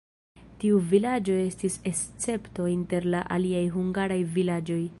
Tiu vilaĝo estis escepto inter la aliaj hungaraj vilaĝoj.